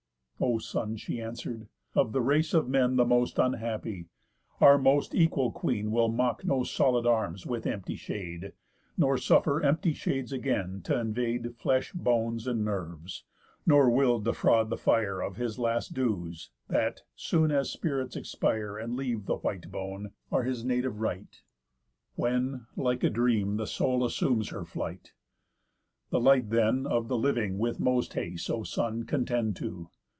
'O son,' she answer'd, 'of the race of men The most unhappy, our most equal Queen Will mock no solid arms with empty shade, Nor suffer empty shades again t' invade Flesh, bones, and nerves; nor will defraud the fire Of his last dues, that, soon as spirits expire And leave the white bone, are his native right, When, like a dream, the soul assumes her flight. The light then of the living with most haste, O son, contend to.